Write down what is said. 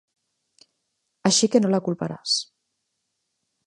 Així que no la culparàs.